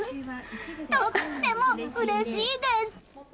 とってもうれしいです！